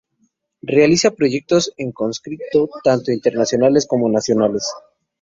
Realiza proyectos en consorcio tanto internacionales como nacionales.